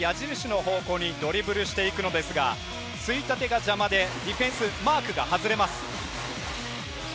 このあと、馬場選手は矢印の方向にドリブルしていくんですが、ついたてが邪魔でディフェンスマークが外れます。